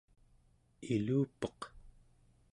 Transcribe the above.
ilupeq